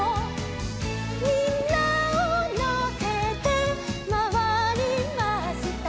「みんなをのせてまわりました」